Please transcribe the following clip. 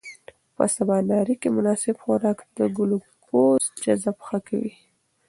په سباناري کې مناسب خوراک د ګلوکوز جذب ښه کوي.